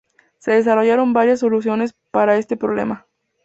Se desarrollaron varias soluciones para este problema.